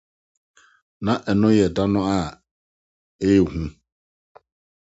Ná ɛno yɛ da a ɛyɛ hu.